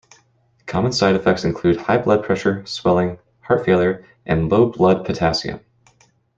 Common side effects include high blood pressure, swelling, heart failure, and low blood potassium.